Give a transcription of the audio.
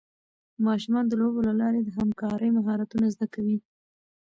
ماشومان د لوبو له لارې د همکارۍ مهارتونه زده کوي.